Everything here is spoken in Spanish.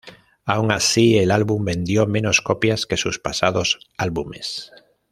Aun así, el álbum vendió menos copias que sus pasados álbumes.